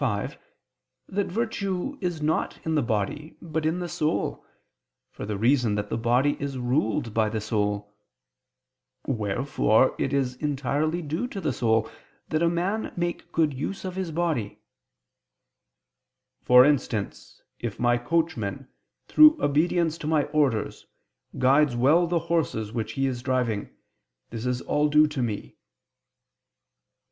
v) that virtue is not in the body but in the soul, for the reason that the body is ruled by the soul: wherefore it is entirely due to his soul that a man make good use of his body: "For instance, if my coachman, through obedience to my orders, guides well the horses which he is driving; this is all due to me."